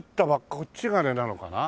こっちがあれなのかな？